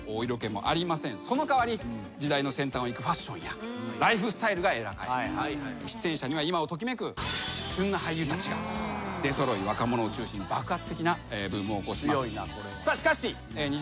その代わり時代の先端をいくファッションやライフスタイルが描かれ出演者には今を時めく旬な俳優たちが出揃い若者を中心に爆発的なブームを起こします。